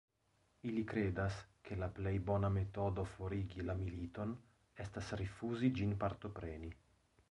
Ili kredas, ke la plej bona metodo forigi la militon, estas rifuzi ĝin partopreni.